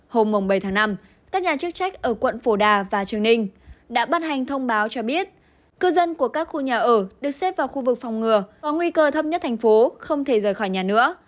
hôm bảy tháng năm các nhà chức trách ở quận phổ đà và trường ninh đã bắt hành thông báo cho biết cư dân của các khu nhà ở được xếp vào khu vực phòng ngừa và nguy cơ thấp nhất thành phố không thể rời khỏi nhà nữa